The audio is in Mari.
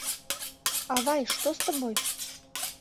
Авай, что с тобой?